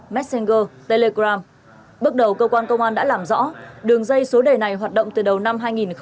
messenger telegram bước đầu cơ quan công an đã làm rõ đường dây số đề này hoạt động từ đầu năm